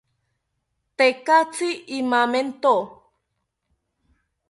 Tekatzi imamento